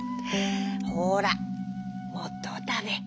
ほらもっとおたべ」。